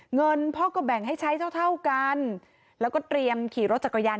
เงินพ่อก็แบ่งให้ใช้เท่าเท่ากันแล้วก็เตรียมขี่รถจักรยาน